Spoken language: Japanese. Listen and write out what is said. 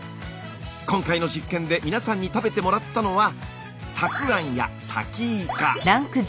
今回の実験で皆さんに食べてもらったのはたくあんやさきいか。